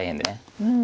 うん。